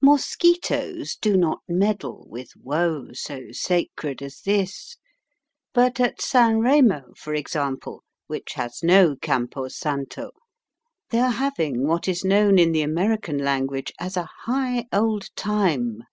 Mosquitoes do not meddle with woe so sacred as this; but at San Remo, for example, which has no Campo Santo, they are having what is known in the American language as a high old time.